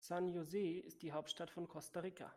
San José ist die Hauptstadt von Costa Rica.